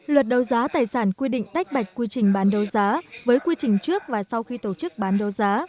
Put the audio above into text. luật đầu giá tài sản quy định tách bạch quy trình bán đầu giá với quy trình trước và sau khi tổ chức bán đầu giá